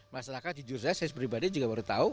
masalahnya jujur saya saya sendiri juga baru tahu